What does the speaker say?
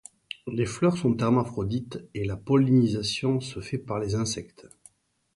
Les fleurs sont hermaphrodites et la pollinisation se fait par les insectes.